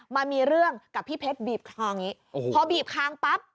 มามีเรื่องกับพี่เพชรบีบคออย่างงี้โอ้โหพอบีบคางปั๊บ